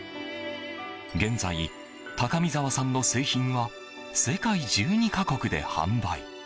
現在、高見澤さんの製品は世界１２か国で販売。